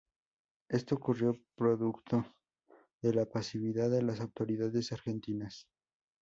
Esto ocurrió producto de la pasividad de las autoridades argentinas.